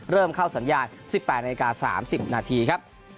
เริ่มเข้าสัญญาณ๑๘นาที๓๐นาทีครับ